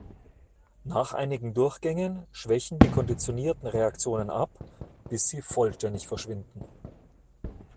Nach einigen Durchgängen schwächen die konditionierten Reaktionen ab, bis sie vollständig verschwinden.